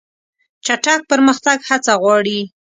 چټک پرمختګ هڅه غواړي.